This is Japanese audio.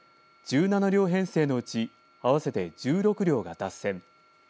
１７両編成のうち合わせて１６両が脱線。